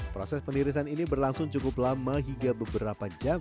proses penirisan ini berlangsung cukup lama hingga beberapa jam